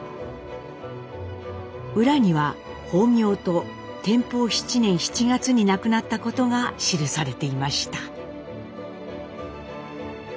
裏には法名と天保７年７月に亡くなったことが記されていました。